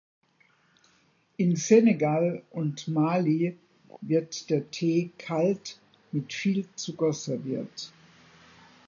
In Senegal und Mali wird der Tee kalt mit viel Zucker serviert.